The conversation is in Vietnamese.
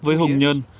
với hùng nhơn